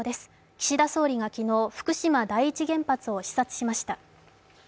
岸田総理が昨日、福島第一原発を視察しました。